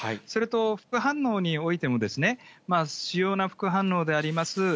それと、副反応においても、主要な副反応であります